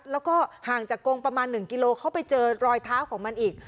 แล้วก็ห่างจากกงประมาณ๑กิโลเขาไปเจอรอยเท้าของมันอีก